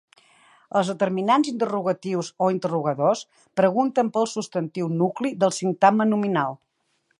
Els determinants interrogatius o interrogadors pregunten pel substantiu nucli del sintagma nominal.